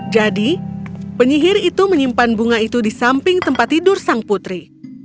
jadi penyihir itu menyimpan bunga itu di samping tempat tidur sang putri